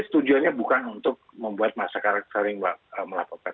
tujuannya bukan untuk membuat masyarakat sering melaporkan